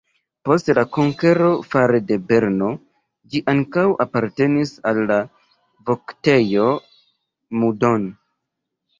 Post la konkero fare de Berno ĝi ankaŭ apartenis al la Voktejo Moudon.